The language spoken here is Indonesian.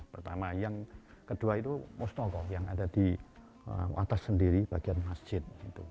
pertama yang kedua itu musnoko yang ada di watas sendiri bagian masjid